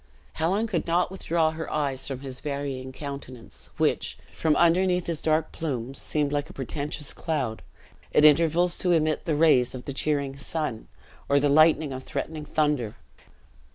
Helen could not withdraw her eyes from his varying countenance, which, from underneath his dark plumes, seemed like a portentous cloud, at intervals to emit the rays of the cheering sun, or the lightning of threatening thunder.